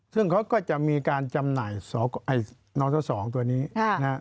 ซึ่งเขาก็จะมีการจำหน่ายนส๒ตัวนี้นะฮะ